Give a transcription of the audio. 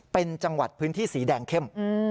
เป็นจังหวัดพื้นที่สีแดงเข้ม